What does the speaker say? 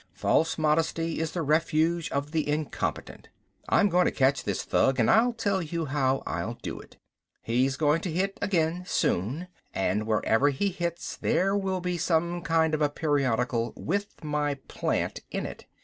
"False modesty is the refuge of the incompetent. I'm going to catch this thug and I'll tell you how I'll do it. He's going to hit again soon, and wherever he hits there will be some kind of a periodical with my plant in it.